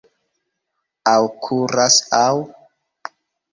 Aŭ kuras, aŭ...